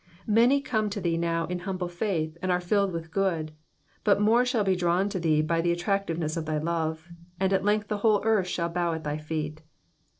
Many come to thee now in humble faith, and are filled with good, but more shall be drawn to thee by the attractiveness of thy love, and at length the whole earth shall bow at thy feet.